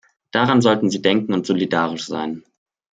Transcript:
Daran sollten Sie denken und solidarisch sein.